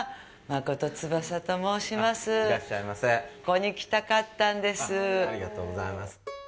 ありがとうございます。